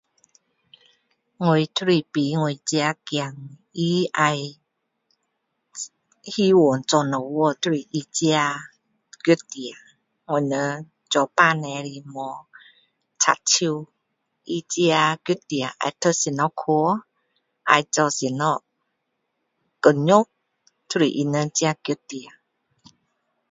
我都是随我自己的孩子他要希望做什么都是他自己决定我们做父母的没有插手他自己决定要读什么科要做什么工作都是他们自己决定